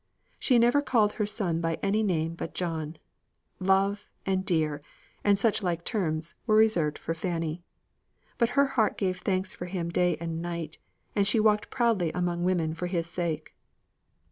She never called her son by any name but John; "love," and "dear," and such like terms, were reserved for Fanny. But her heart gave thanks for him day and night; and she walked proudly among women for his sake.